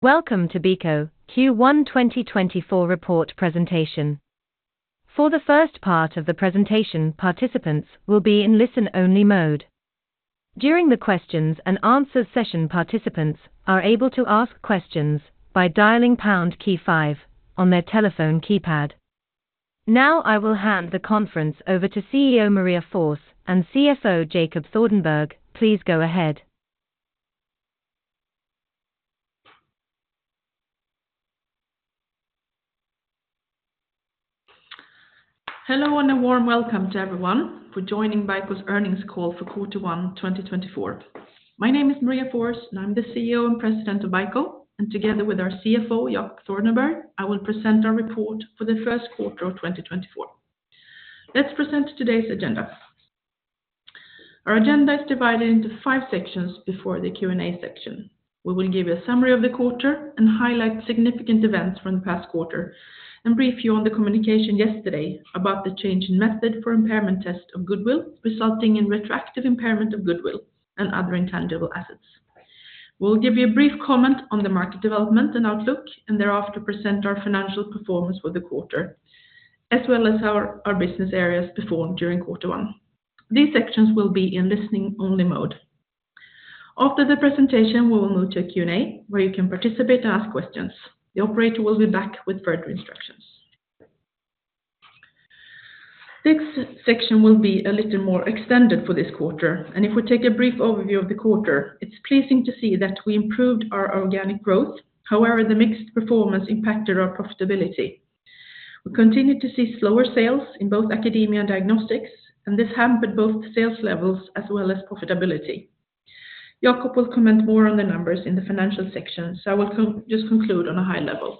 Welcome to BICO Q1 2024 report presentation. For the first part of the presentation, participants will be in listen-only mode. During the questions and answers session, participants are able to ask questions by dialing pound key five on their telephone keypad. Now I will hand the conference over to CEO Maria Forss and CFO Jacob Thordenberg. Please go ahead. Hello, and a warm welcome to everyone for joining BICO's earnings call for quarter one, 2024. My name is Maria Forss, and I'm the CEO and President of BICO, and together with our CFO, Jacob Thordenberg, I will present our report for the first quarter of 2024. Let's present today's agenda. Our agenda is divided into five sections before the Q&A section. We will give a summary of the quarter and highlight significant events from the past quarter, and brief you on the communication yesterday about the change in method for impairment test of goodwill, resulting in retroactive impairment of goodwill and other intangible assets. We'll give you a brief comment on the market development and outlook, and thereafter present our financial performance for the quarter, as well as how our business areas performed during quarter one. These sections will be in listening-only mode. After the presentation, we will move to a Q&A, where you can participate and ask questions. The operator will be back with further instructions. This section will be a little more extended for this quarter, and if we take a brief overview of the quarter, it's pleasing to see that we improved our organic growth. However, the mixed performance impacted our profitability. We continued to see slower sales in both academia and diagnostics, and this hampered both sales levels as well as profitability. Jacob will comment more on the numbers in the financial section, so I will just conclude on a high level.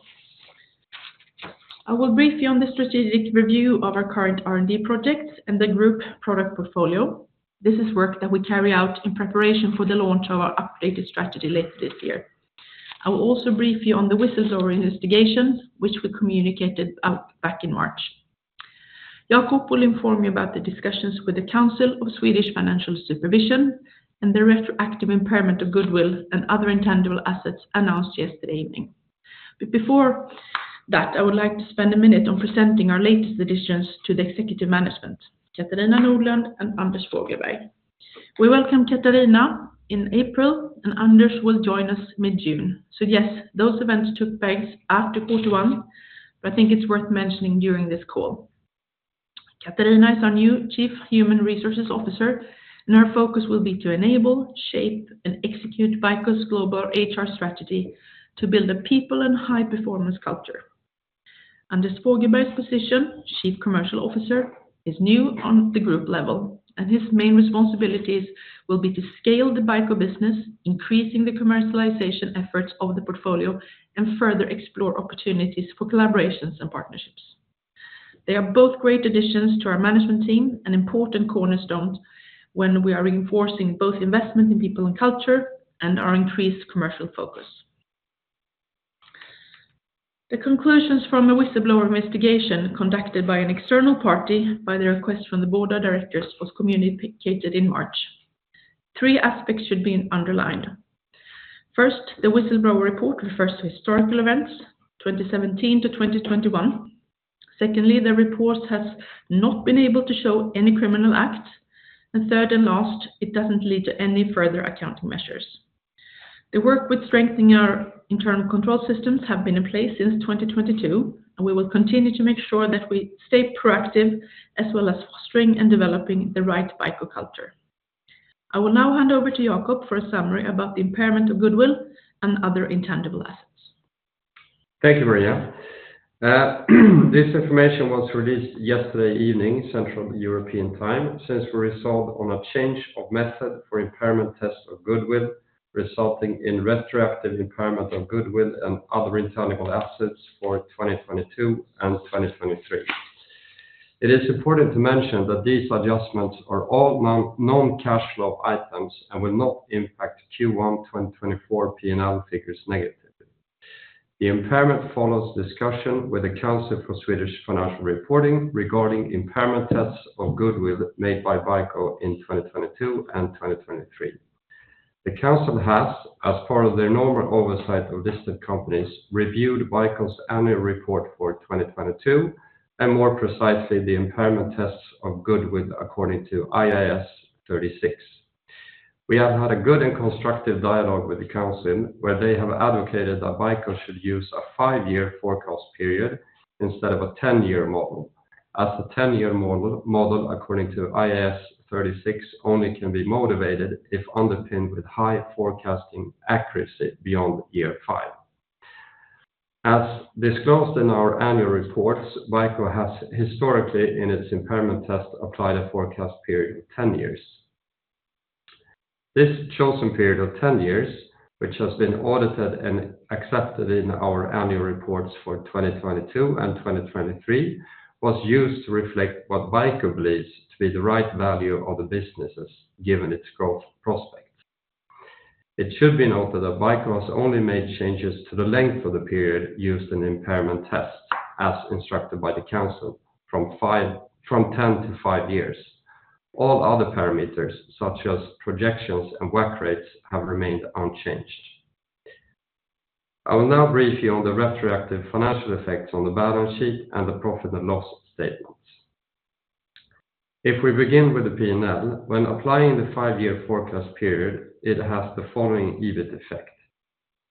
I will brief you on the strategic review of our current R&D projects and the group product portfolio. This is work that we carry out in preparation for the launch of our updated strategy later this year. I will also brief you on the whistleblower investigation, which we communicated out back in March. Jacob will inform you about the discussions with the Council for Swedish Financial Reporting and the retroactive impairment of goodwill and other intangible assets announced yesterday evening. But before that, I would like to spend a minute on presenting our latest additions to the executive management, Catharina Nordlund and Anders Fogelberg. We welcome Catharina in April, and Anders will join us mid-June. So yes, those events took place after quarter one, but I think it's worth mentioning during this call. Catharina is our new Chief Human Resources Officer, and her focus will be to enable, shape, and execute BICO's global HR strategy to build a people and high-performance culture. Anders Fogelberg's position, Chief Commercial Officer, is new on the group level, and his main responsibilities will be to scale the BICO business, increasing the commercialization efforts of the portfolio, and further explore opportunities for collaborations and partnerships. They are both great additions to our management team and important cornerstones when we are reinforcing both investment in people and culture and our increased commercial focus. The conclusions from a whistleblower investigation conducted by an external party, by the request from the Board of Directors, was communicated in March. Three aspects should be underlined. First, the whistleblower report refers to historical events, 2017 to 2021. Secondly, the report has not been able to show any criminal act, and third and last, it doesn't lead to any further accounting measures. The work with strengthening our internal control systems have been in place since 2022, and we will continue to make sure that we stay proactive, as well as fostering and developing the right BICO culture. I will now hand over to Jacob for a summary about the impairment of goodwill and other intangible assets. Thank you, Maria. This information was released yesterday evening, Central European time, since we resolved on a change of method for impairment test of goodwill, resulting in retroactive impairment of goodwill and other intangible assets for 2022 and 2023. It is important to mention that these adjustments are all non-cash flow items and will not impact Q1, 2024 P&L figures negatively. The impairment follows discussion with the Council for Swedish Financial Reporting regarding impairment tests of goodwill made by BICO in 2022 and 2023. The Council has, as part of their normal oversight of listed companies, reviewed BICO's annual report for 2022, and more precisely, the impairment tests of goodwill according to IAS 36. We have had a good and constructive dialogue with the Council, where they have advocated that BICO should use a five-year forecast period instead of a 10-year model, as a 10-year model according to IAS 36 only can be motivated if underpinned with high forecasting accuracy beyond year five. As disclosed in our annual reports, BICO has historically, in its impairment test, applied a forecast period of 10 years. This chosen period of 10 years, which has been audited and accepted in our annual reports for 2022 and 2023, was used to reflect what BICO believes to be the right value of the businesses, given its growth prospect. It should be noted that BICO has only made changes to the length of the period used in the impairment test, as instructed by the Council, from 10 to five years.... All other parameters, such as projections and work rates, have remained unchanged. I will now brief you on the retroactive financial effects on the balance sheet and the profit and loss statements. If we begin with the P&L, when applying the five-year forecast period, it has the following EBIT effect.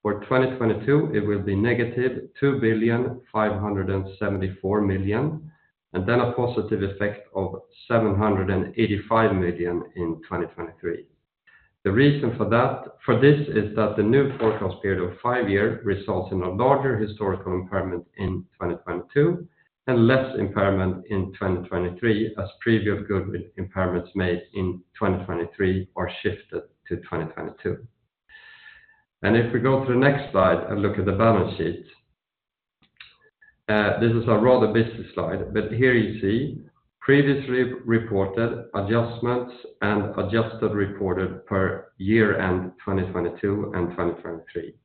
For 2022, it will be -2.574 billion, and then a positive effect of 785 million in 2023. The reason for that, for this is that the new forecast period of five years results in a larger historical impairment in 2022, and less impairment in 2023, as previous goodwill impairments made in 2023 are shifted to 2022. If we go to the next slide and look at the balance sheet, this is a rather busy slide, but here you see previously reported adjustments and adjusted reported per year-end 2022 and 2023.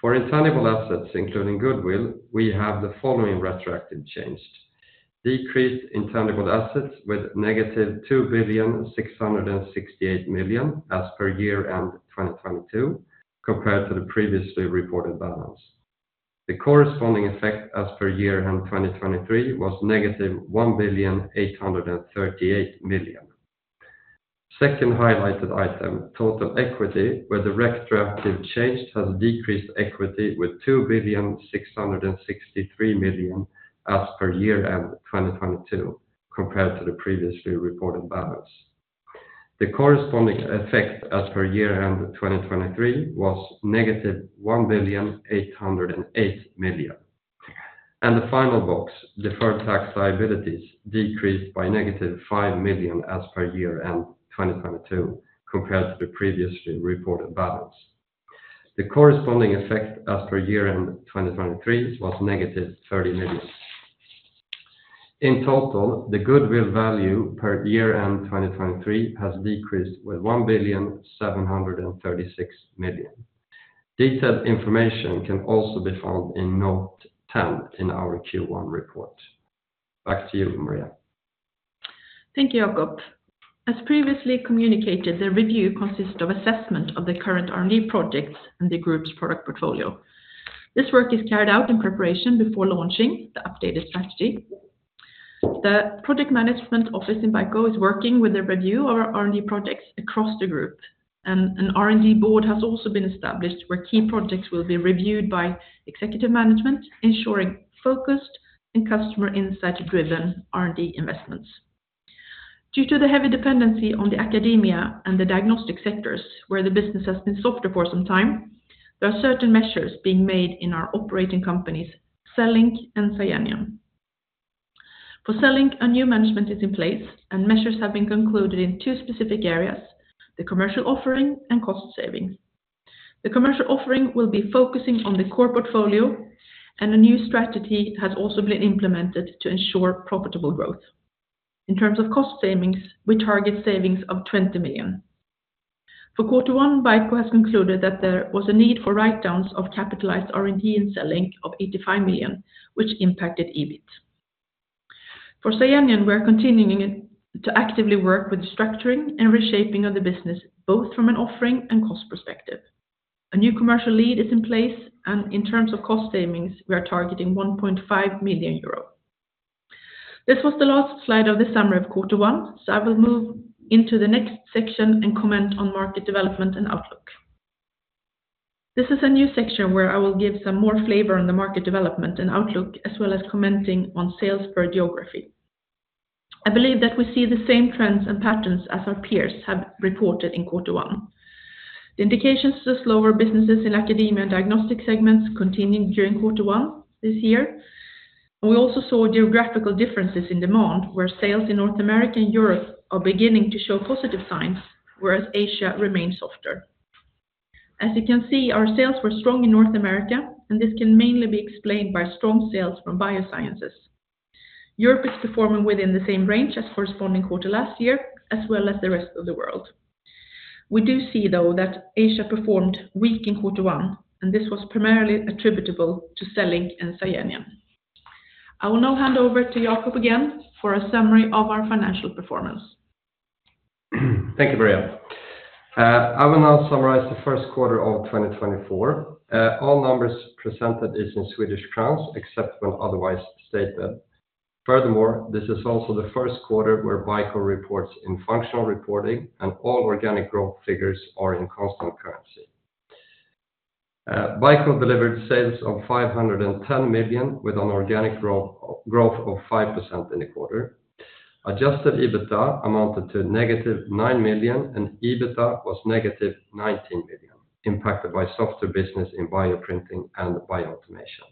For intangible assets, including goodwill, we have the following retroactive changed. Decreased intangible assets with -2.668 million as per year-end 2022, compared to the previously reported balance. The corresponding effect as per year-end 2023 was -1,838 million. Second highlighted item, total equity, where the retroactive change has decreased equity with 2,663 million as per year-end 2022 compared to the previously reported balance. The corresponding effect as per year-end 2023 was -1,808 million. The final box, deferred tax liabilities, decreased by -5 million as per year-end 2022, compared to the previously reported balance. The corresponding effect as per year-end 2023 was -30 million. In total, the goodwill value per year-end 2023 has decreased with 1,736 million. Detailed information can also be found in note 10 in our Q1 report. Back to you, Maria. Thank you, Jacob. As previously communicated, the review consists of assessment of the current R&D projects and the group's product portfolio. This work is carried out in preparation before launching the updated strategy. The project management office in BICO is working with a review of our R&D projects across the group, and an R&D board has also been established, where key projects will be reviewed by executive management, ensuring focused and customer insight-driven R&D investments. Due to the heavy dependency on the academia and the diagnostic sectors, where the business has been softer for some time, there are certain measures being made in our operating companies, CELLINK and SCIENION. For CELLINK, a new management is in place, and measures have been concluded in two specific areas: the commercial offering and cost savings. The commercial offering will be focusing on the core portfolio, and a new strategy has also been implemented to ensure profitable growth. In terms of cost savings, we target savings of 20 million. For quarter one, BICO has concluded that there was a need for write-downs of capitalized R&D in CELLINK of 85 million, which impacted EBIT. For SCIENION, we are continuing to actively work with structuring and reshaping of the business, both from an offering and cost perspective. A new commercial lead is in place, and in terms of cost savings, we are targeting 1.5 million euro. This was the last slide of the summary of quarter one, so I will move into the next section and comment on market development and outlook. This is a new section where I will give some more flavor on the market development and outlook, as well as commenting on sales per geography. I believe that we see the same trends and patterns as our peers have reported in quarter one. Indications to slower businesses in academia and diagnostic segments continuing during quarter one this year. We also saw geographical differences in demand, where sales in North America and Europe are beginning to show positive signs, whereas Asia remains softer. As you can see, our sales were strong in North America, and this can mainly be explained by strong sales from biosciences. Europe is performing within the same range as corresponding quarter last year, as well as the rest of the world. We do see, though, that Asia performed weak in quarter one, and this was primarily attributable to CELLINK and SCIENION. I will now hand over to Jacob again for a summary of our financial performance. Thank you, Maria. I will now summarize the first quarter of 2024. All numbers presented is in SEK, except when otherwise stated. Furthermore, this is also the first quarter where BICO reports in functional reporting, and all organic growth figures are in constant currency. BICO delivered sales of 510 million, with an organic growth of 5% in the quarter. Adjusted EBITDA amounted to -9 million, and EBITDA was -19 million, impacted by softer business in bioprinting and bioautomation.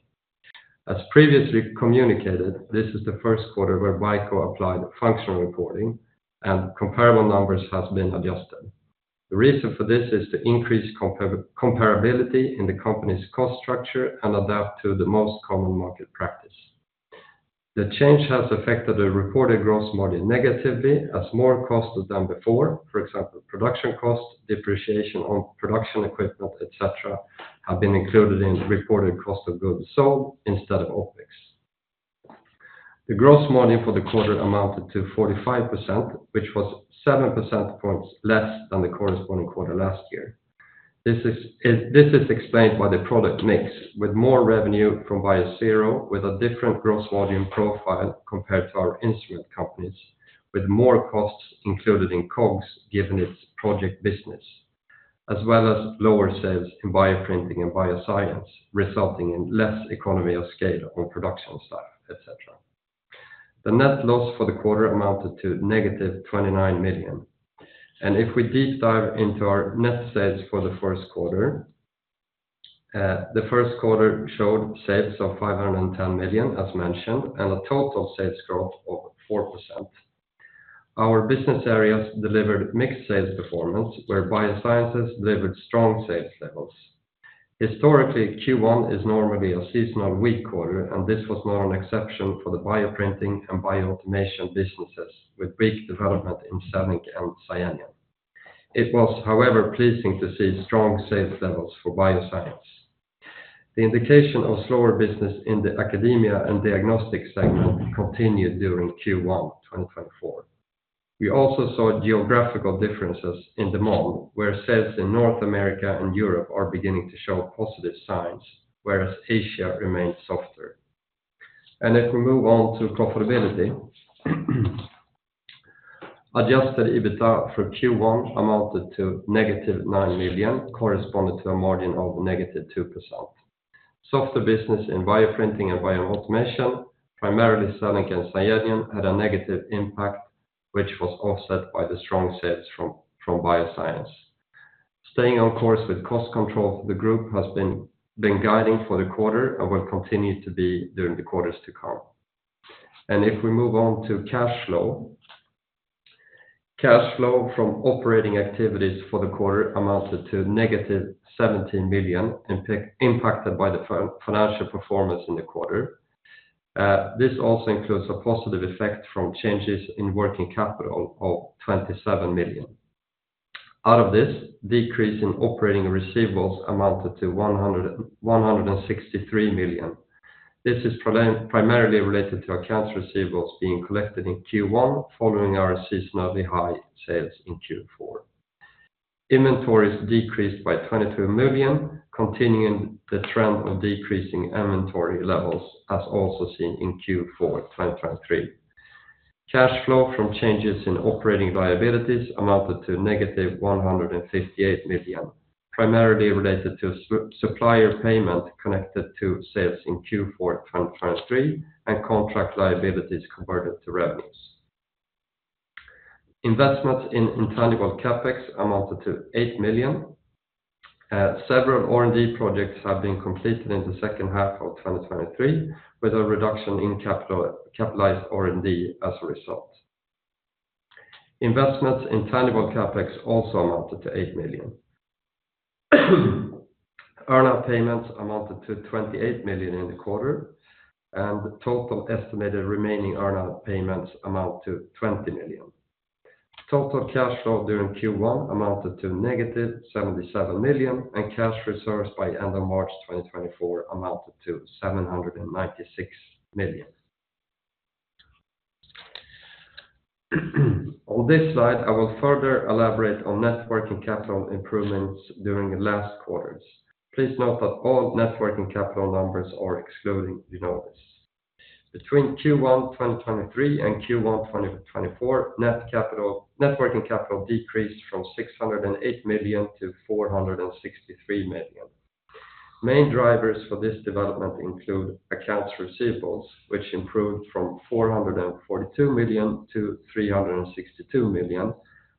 As previously communicated, this is the first quarter where BICO applied functional reporting, and comparable numbers has been adjusted. The reason for this is to increase comparability in the company's cost structure and adapt to the most common market practice. The change has affected the reported gross margin negatively, as more costs than before, for example, production costs, depreciation on production equipment, et cetera, have been included in the reported cost of goods sold instead of OpEx. The gross margin for the quarter amounted to 45%, which was seven percentage points less than the corresponding quarter last year. This is explained by the product mix, with more revenue from Biosero, with a different gross volume profile compared to our instrument companies, with more costs included in COGS, given its project business, as well as lower sales in bioprinting and bioscience, resulting in less economy of scale on production staff, et cetera. The net loss for the quarter amounted to -29 million. If we deep dive into our net sales for the first quarter, the first quarter showed sales of 510 million, as mentioned, and a total sales growth of 4%. Our business areas delivered mixed sales performance, where biosciences delivered strong sales levels. Historically, Q1 is normally a seasonal weak quarter, and this was not an exception for the bioprinting and bioautomation businesses, with big development in CELLINK and SCIENION. It was, however, pleasing to see strong sales levels for bioscience. The indication of slower business in the academia and diagnostic segment continued during Q1 2024. We also saw geographical differences in demand, where sales in North America and Europe are beginning to show positive signs, whereas Asia remains softer. If we move on to profitability, adjusted EBITDA for Q1 amounted to -9 million, corresponding to a margin of -2%. Softer business in bioprinting and bioautomation, primarily CELLINK and SCIENION, had a negative impact, which was offset by the strong sales from bioscience. Staying on course with cost control, the group has been guiding for the quarter and will continue to be during the quarters to come. If we move on to cash flow, cash flow from operating activities for the quarter amounted to -17 million, impacted by the financial performance in the quarter. This also includes a positive effect from changes in working capital of 27 million. Out of this, decrease in operating receivables amounted to 163 million. This is primarily related to accounts receivables being collected in Q1, following our seasonally high sales in Q4 2023. Inventories decreased by 22 million, continuing the trend of decreasing inventory levels, as also seen in Q4 2023. Cash flow from changes in operating liabilities amounted to -158 million, primarily related to supplier payment connected to sales in Q4, 2023, and contract liabilities converted to revenues. Investments in intangible CapEx amounted to 8 million. Several R&D projects have been completed in the second half of 2023, with a reduction in capitalized R&D as a result. Investments in tangible CapEx also amounted to 8 million. Earnout payments amounted to 28 million in the quarter, and the total estimated remaining earnout payments amount to 20 million. Total cash flow during Q1 amounted to -77 million, and cash reserves by end of March 2024 amounted to 796 million. On this slide, I will further elaborate on net working capital improvements during the last quarters. Please note that all net working capital numbers are excluding the notes. Between Q1 2023 and Q1 2024, net working capital decreased from 608 million to 463 million. Main drivers for this development include accounts receivables, which improved from 442 million to 362 million,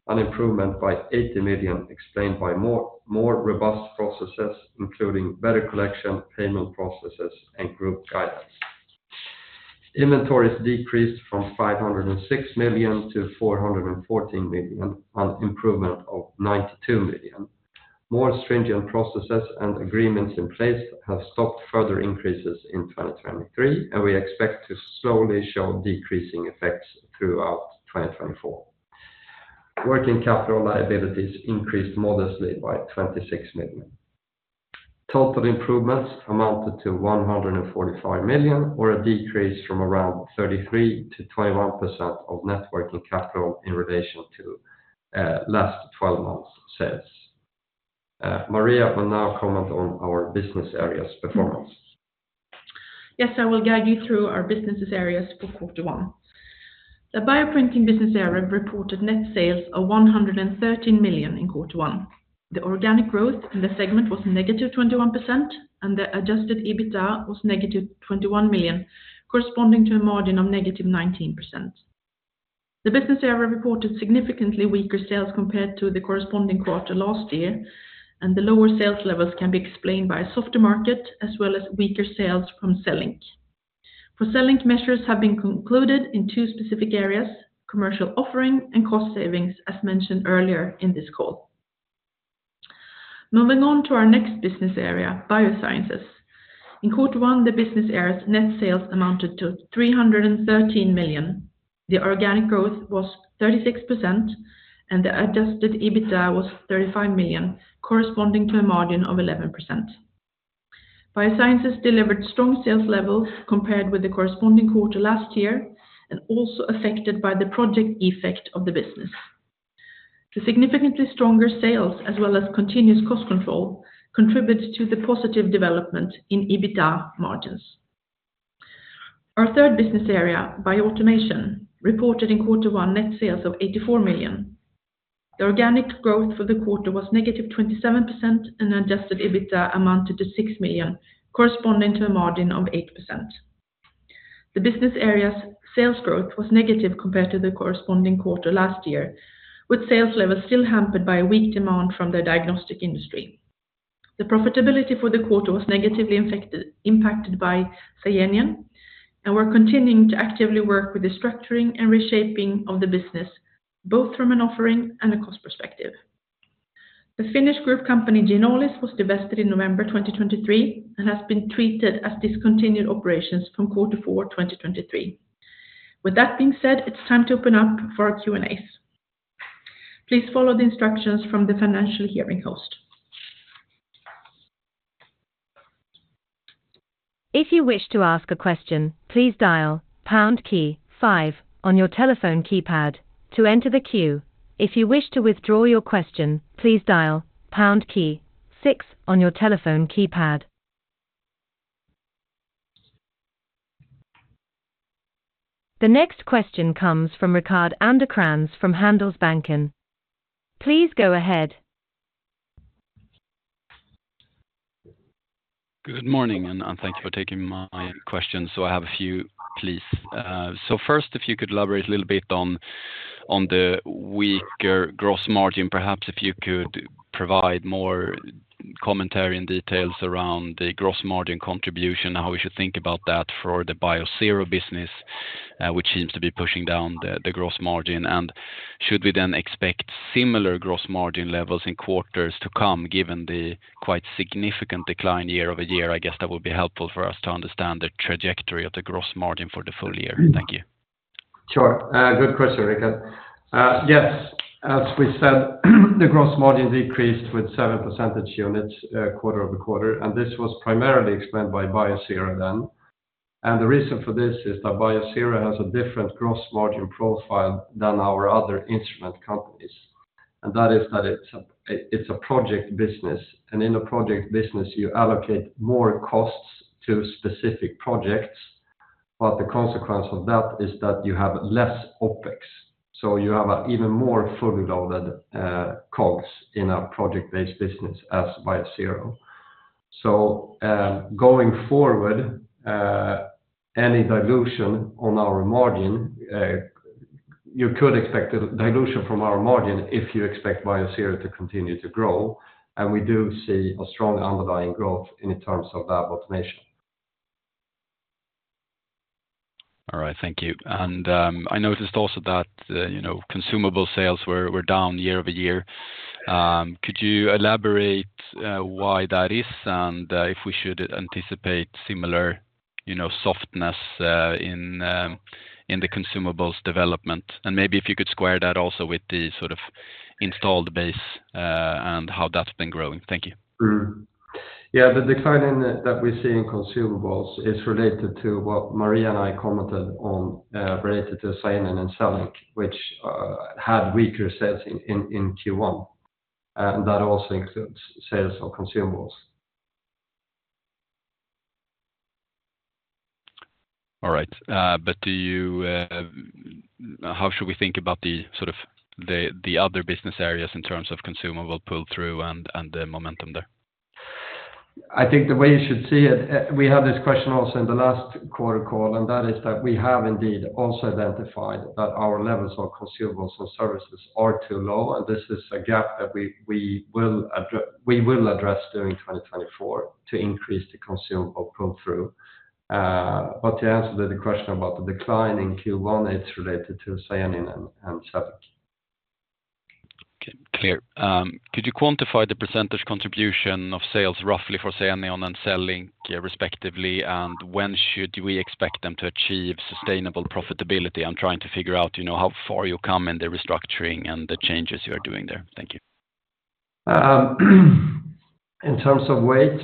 an improvement by 80 million, explained by more, more robust processes, including better collection, payment processes, and group guidance. Inventories decreased from 506 million to 414 million, an improvement of 92 million. More stringent processes and agreements in place have stopped further increases in 2023, and we expect to slowly show decreasing effects throughout 2024. Working capital liabilities increased modestly by 26 million. Total improvements amounted to 145 million, or a decrease from around 33%-21% of net working capital in relation to last twelve months sales. Maria will now comment on our business areas' performance. Yes, I will guide you through our business areas for quarter one. The bioprinting business area reported net sales of 113 million in quarter one. The organic growth in the segment was -21%, and the adjusted EBITDA was -21 million, corresponding to a margin of -19%. The business area reported significantly weaker sales compared to the corresponding quarter last year, and the lower sales levels can be explained by a softer market, as well as weaker sales from CELLINK. For CELLINK, measures have been concluded in two specific areas, commercial offering and cost savings, as mentioned earlier in this call. Moving on to our next business area, biosciences. In quarter one, the business area's net sales amounted to 313 million.... The organic growth was 36%, and the adjusted EBITDA was 35 million, corresponding to a margin of 11%. Biosciences delivered strong sales levels compared with the corresponding quarter last year, and also affected by the project effect of the business. The significantly stronger sales, as well as continuous cost control, contributes to the positive development in EBITDA margins. Our third business area, Bioautomation, reported in quarter one net sales of 84 million. The organic growth for the quarter was -27%, and adjusted EBITDA amounted to 6 million, corresponding to a margin of 8%. The business area's sales growth was negative compared to the corresponding quarter last year, with sales levels still hampered by a weak demand from the diagnostic industry. The profitability for the quarter was negatively impacted by SCIENION, and we're continuing to actively work with the structuring and reshaping of the business, both from an offering and a cost perspective. The Finnish group company, Ginolis, was divested in November 2023 and has been treated as discontinued operations from quarter four, 2023. With that being said, it's time to open up for our Q&A. Please follow the instructions from the financial hearing host. If you wish to ask a question, please dial pound key five on your telephone keypad to enter the queue. If you wish to withdraw your question, please dial pound key six on your telephone keypad. The next question comes from Rickard Anderkrans from Handelsbanken. Please go ahead. Good morning, and thank you for taking my question, so I have a few, please. So first, if you could elaborate a little bit on the weaker gross margin. Perhaps if you could provide more commentary and details around the gross margin contribution, and how we should think about that for the Biosero business, which seems to be pushing down the gross margin. And should we then expect similar gross margin levels in quarters to come, given the quite significant decline year over year? I guess that would be helpful for us to understand the trajectory of the gross margin for the full year. Thank you. Sure, good question, Rickard. Yes, as we said, the gross margin decreased with seven percentage units, quarter-over-quarter, and this was primarily explained by Biosero then. And the reason for this is that Biosero has a different gross margin profile than our other instrument companies, and that is that it's a project business. And in a project business, you allocate more costs to specific projects, but the consequence of that is that you have less OpEx, so you have an even more fully loaded costs in a project-based business as Biosero. So, going forward, any dilution on our margin, you could expect a dilution from our margin if you expect Biosero to continue to grow, and we do see a strong underlying growth in terms of lab automation. All right, thank you. I noticed also that, you know, consumable sales were down year-over-year. Could you elaborate why that is, and if we should anticipate similar, you know, softness in the consumables development? Maybe if you could square that also with the sort of installed base and how that's been growing. Thank you. Mm-hmm. Yeah, the decline that we see in consumables is related to what Maria and I commented on, related to SCIENION and CELLINK, which had weaker sales in Q1, and that also includes sales of consumables. All right, but do you... How should we think about the, sort of, the other business areas in terms of consumable pull-through and the momentum there? I think the way you should see it, we had this question also in the last quarter call, and that is that we have indeed also identified that our levels of consumables or services are too low, and this is a gap that we will address during 2024 to increase the consumable pull-through. But to answer the question about the decline in Q1, it's related to SCIENION and CELLINK. Okay, clear. Could you quantify the percentage contribution of sales roughly for SCIENION and CELLINK respectively, and when should we expect them to achieve sustainable profitability? I'm trying to figure out, you know, how far you've come in the restructuring and the changes you are doing there. Thank you. In terms of weights,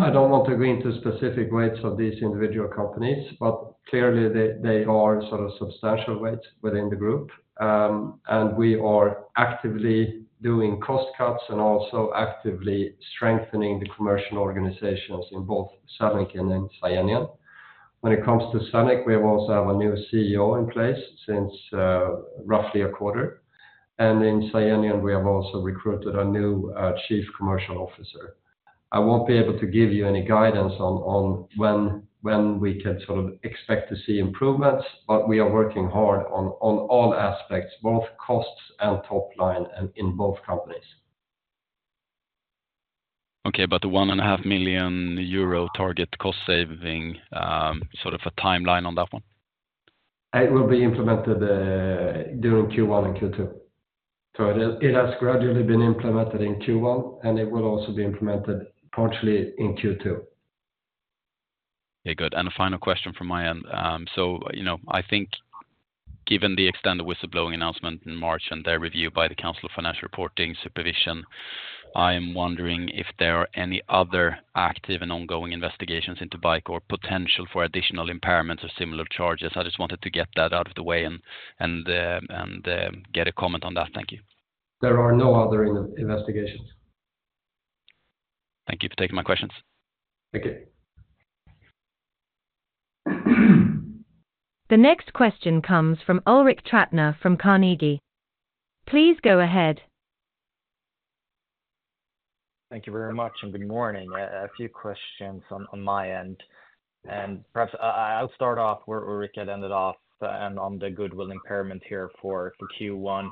I don't want to go into specific weights of these individual companies, but clearly, they, they are sort of substantial weights within the group. And we are actively doing cost cuts and also actively strengthening the commercial organizations in both CELLINK and in SCIENION. When it comes to CELLINK, we also have a new CEO in place since roughly a quarter, and in SCIENION, we have also recruited a new chief commercial officer. I won't be able to give you any guidance on when we can sort of expect to see improvements, but we are working hard on all aspects, both costs and top line, and in both companies. Okay, but the 1.5 million euro target cost saving, sort of a timeline on that one? It will be implemented during Q1 and Q2. So it is, it has gradually been implemented in Q1, and it will also be implemented partially in Q2. ... Yeah, good. A final question from my end. So, you know, I think given the extended whistleblowing announcement in March and their review by the Council for Swedish Financial Reporting, I am wondering if there are any other active and ongoing investigations into BICO or potential for additional impairments or similar charges. I just wanted to get that out of the way and get a comment on that. Thank you. There are no other investigations. Thank you for taking my questions. Thank you. The next question comes from Ulrik Trattner from Carnegie. Please go ahead. Thank you very much, and good morning. A few questions on my end, and perhaps I’ll start off where Rickard had ended off, and on the goodwill impairment here for Q1.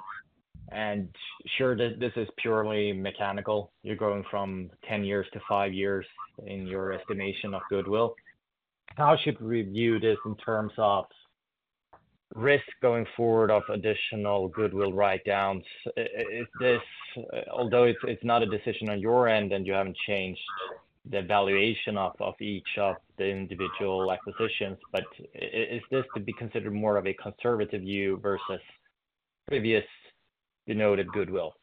And sure, this is purely mechanical. You’re going from 10 years to five years in your estimation of goodwill. How should we view this in terms of risk going forward of additional goodwill write-downs? Is this, although it’s not a decision on your end, and you haven’t changed the valuation of each of the individual acquisitions, but is this to be considered more of a conservative view versus previous denoted goodwill?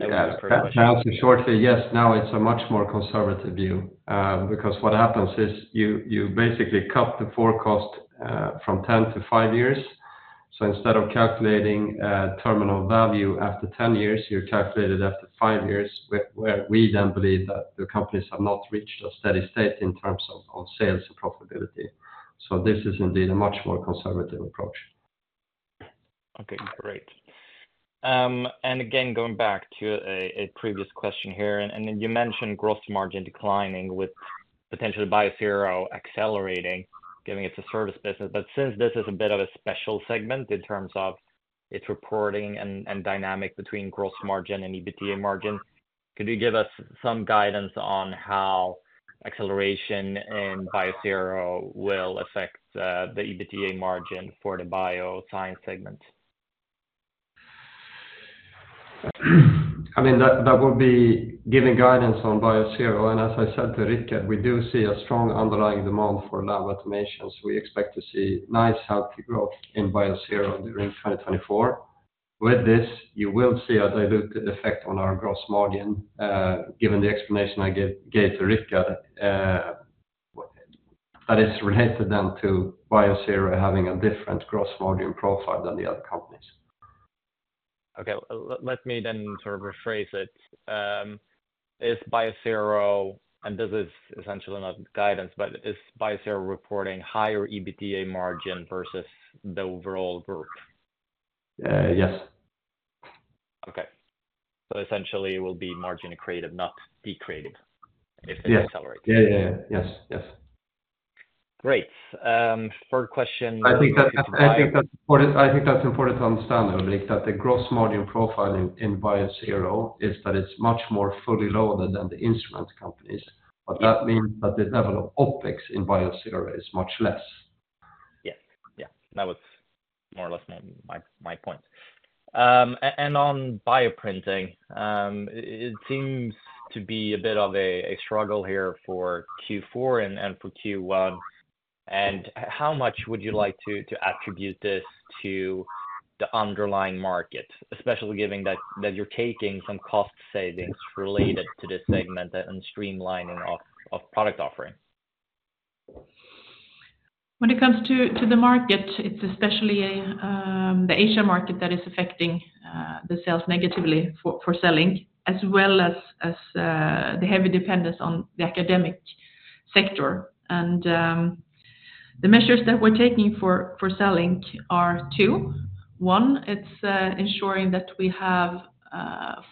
Yeah, to answer shortly, yes. Now it's a much more conservative view, because what happens is you basically cut the forecast from 10 to five years. So instead of calculating terminal value after 10 years, you calculate it after five years, where we then believe that the companies have not reached a steady state in terms of sales and profitability. So this is indeed a much more conservative approach. Okay, great. And again, going back to a previous question here, and you mentioned gross margin declining with potentially Biosero accelerating, giving it to service business. But since this is a bit of a special segment in terms of its reporting and dynamic between gross margin and EBITDA margin, could you give us some guidance on how acceleration in Biosero will affect the EBITDA margin for the bioscience segment? I mean, that would be giving guidance on Biosero, and as I said to Rickard, we do see a strong underlying demand for lab automations. We expect to see nice, healthy growth in Biosero during 2024. With this, you will see a diluted effect on our gross margin, given the explanation I gave to Rickard, that is related then to Biosero having a different gross margin profile than the other companies. Okay. Let me then sort of rephrase it. Is Biosero, and this is essentially not guidance, but is Biosero reporting higher EBITDA margin versus the overall group? Uh, yes. Okay. So essentially, it will be margin accretive, not decreative, if it accelerates. Yeah. Yeah, yeah. Yes, yes. Great, third question- I think that, I think that's important, I think that's important to understand, Ulrik, that the gross margin profile in Biosero is that it's much more fully loaded than the instrument companies. But that means that the level of OpEx in Biosero is much less. Yes. Yeah, that was more or less my point. And on bioprinting, it seems to be a bit of a struggle here for Q4 and for Q1. And how much would you like to attribute this to the underlying market, especially given that you're taking some cost savings related to this segment and streamlining of product offerings? When it comes to the market, it's especially the Asia market that is affecting the sales negatively for CELLINK, as well as the heavy dependence on the academic sector. The measures that we're taking for CELLINK are two: one, it's ensuring that we have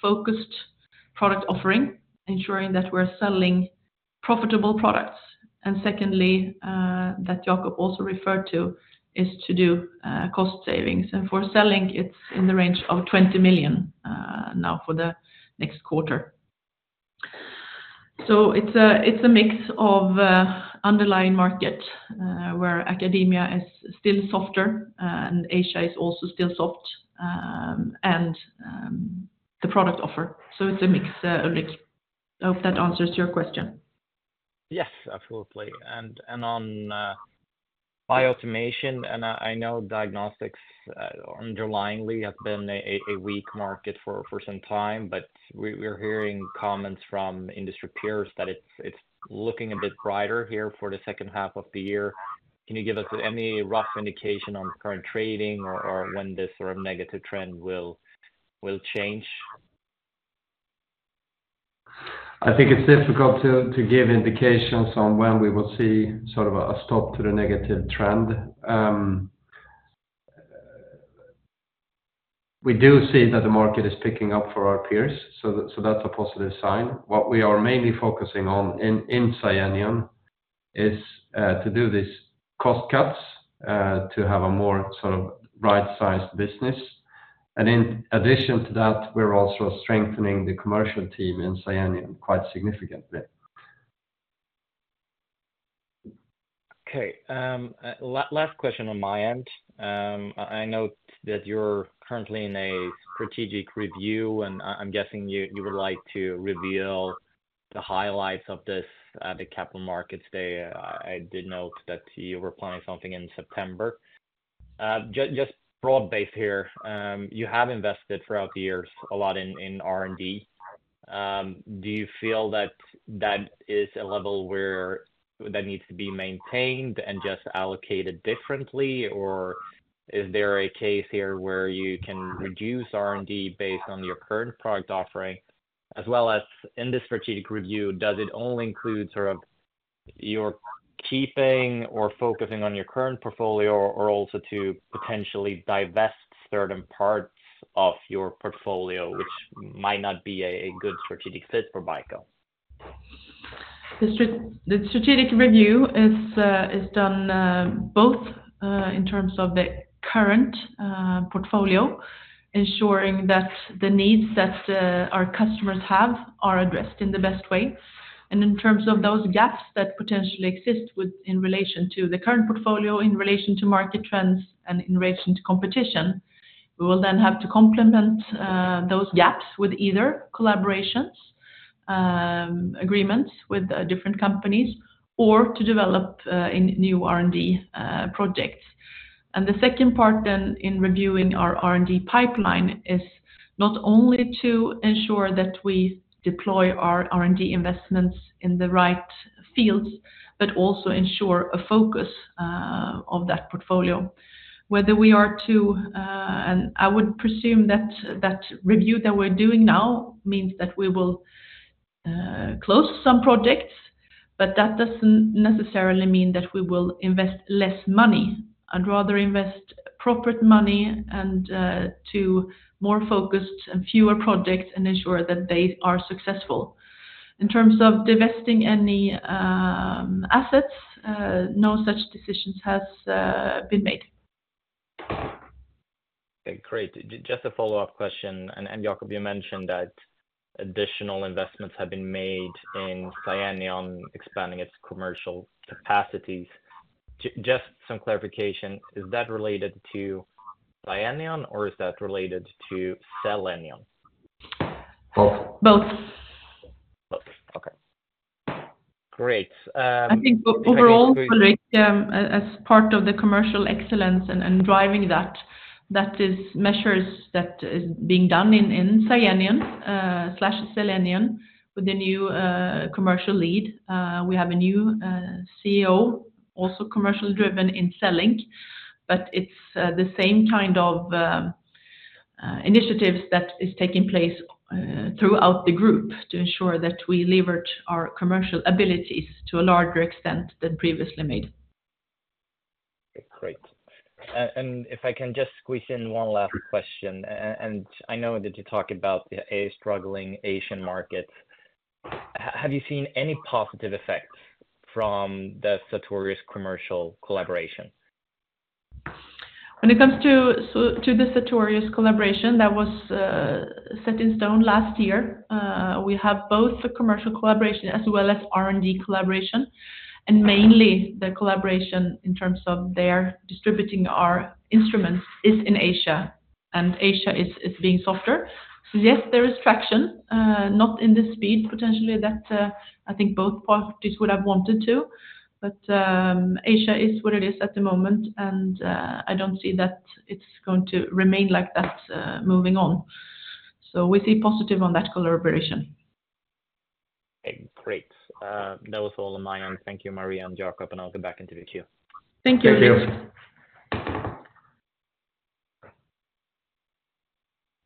focused product offering, ensuring that we're selling profitable products; and secondly, that Jacob also referred to, is to do cost savings. And for CELLINK, it's in the range of 20 million now for the next quarter. So it's a mix of underlying market, where academia is still softer and Asia is also still soft, and the product offer. So it's a mix, Ulrik. I hope that answers your question. Yes, absolutely. On bioautomation, I know diagnostics underlyingly have been a weak market for some time, but we're hearing comments from industry peers that it's looking a bit brighter here for the second half of the year. Can you give us any rough indication on current trading or when this sort of negative trend will change? I think it's difficult to give indications on when we will see sort of a stop to the negative trend. We do see that the market is picking up for our peers, so that's a positive sign. What we are mainly focusing on in SCIENION is to do these cost cuts to have a more sort of right-sized business. And in addition to that, we're also strengthening the commercial team in SCIENION quite significantly.... Okay, last question on my end. I note that you're currently in a strategic review, and I'm guessing you would like to reveal the highlights of this, the Capital Markets Day. I did note that you were planning something in September. Just broad-based here, you have invested throughout the years a lot in R&D. Do you feel that that is a level where that needs to be maintained and just allocated differently? Or is there a case here where you can reduce R&D based on your current product offering, as well as in this strategic review, does it only include sort of your keeping or focusing on your current portfolio, or also to potentially divest certain parts of your portfolio, which might not be a good strategic fit for BICO? The strategic review is done both in terms of the current portfolio, ensuring that the needs that our customers have are addressed in the best way. And in terms of those gaps that potentially exist with, in relation to the current portfolio, in relation to market trends and in relation to competition, we will then have to complement those gaps with either collaborations, agreements with different companies, or to develop in new R&D projects. And the second part then in reviewing our R&D pipeline is not only to ensure that we deploy our R&D investments in the right fields, but also ensure a focus of that portfolio. Whether we are to... I would presume that that review that we're doing now means that we will close some projects, but that doesn't necessarily mean that we will invest less money. I'd rather invest appropriate money and to more focused and fewer projects and ensure that they are successful. In terms of divesting any assets, no such decisions has been made. Okay, great. Just a follow-up question, and Jacob, you mentioned that additional investments have been made in SCIENION expanding its commercial capacities. Just some clarification, is that related to SCIENION or is that related to Cellenion? Both. Both. Both. Okay, great, I think overall, as part of the commercial excellence and driving that, that is measures that is being done in SCIENION slash Cellenion with the new commercial lead. We have a new CEO, also commercially driven in CELLINK, but it's the same kind of initiatives that is taking place throughout the group to ensure that we leverage our commercial abilities to a larger extent than previously made. Okay, great. And if I can just squeeze in one last question, and I know that you talked about the struggling Asian market. Have you seen any positive effects from the Sartorius commercial collaboration? When it comes to the Sartorius collaboration, that was set in stone last year. We have both a commercial collaboration as well as R&D collaboration, and mainly the collaboration in terms of their distributing our instruments is in Asia, and Asia is being softer. So yes, there is traction, not in the speed potentially that I think both parties would have wanted to, but Asia is what it is at the moment, and I don't see that it's going to remain like that moving on. So we see positive on that collaboration. Okay, great. That was all on my end. Thank you, Maria and Jacob, and I'll go back into the queue. Thank you. Thank you.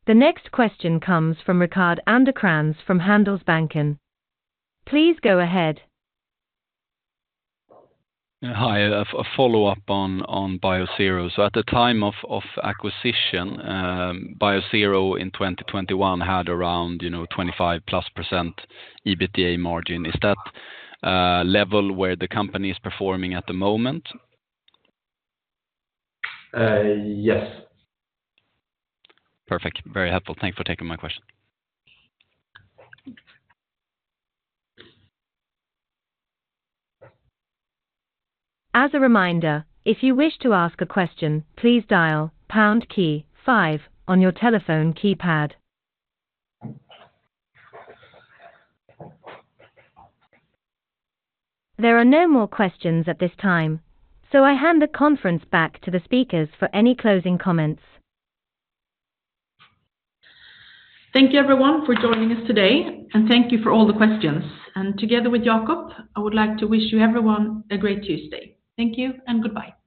The next question comes from Rickard Anderkrans from Handelsbanken. Please go ahead. Hi, a follow-up on Biosero. So at the time of acquisition, Biosero in 2021 had around, you know, 25%+ EBITDA margin. Is that level where the company is performing at the moment? Uh, yes. Perfect. Very helpful. Thanks for taking my question. As a reminder, if you wish to ask a question, please dial pound key five on your telephone keypad. There are no more questions at this time, so I hand the conference back to the speakers for any closing comments. Thank you, everyone, for joining us today, and thank you for all the questions. Together with Jacob, I would like to wish you everyone a great Tuesday. Thank you, and goodbye.